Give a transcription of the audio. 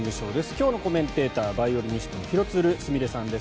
今日のコメンテーターはバイオリニストの廣津留すみれさんです。